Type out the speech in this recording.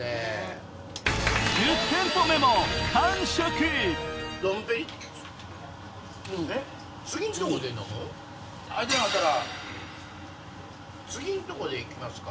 １０店舗目も次んとこでいきますか。